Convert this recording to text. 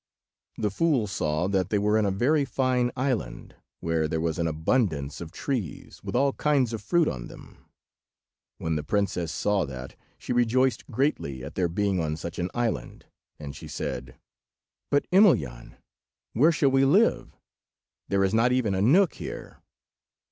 The fool saw that they were in a very fine island, where there was an abundance of trees, with all kinds of fruit on them. When the princess saw that, she rejoiced greatly at their being on such an island, and she said— "But, Emelyan, where shall we live? there is not even a nook here."